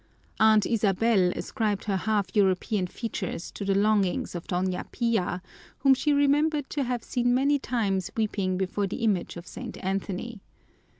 Aunt Isabel ascribed her half European features to the longings of Doña Pia, whom she remembered to have seen many times weeping before the image of St. Anthony.